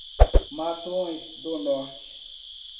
Matões do Norte